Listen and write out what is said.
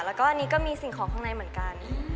แล้วก็อันนี้ก็มีสิ่งของข้างในเหมือนกัน